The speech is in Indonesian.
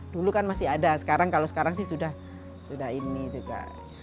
dulu kan masih ada sekarang kalau sekarang sih sudah ini juga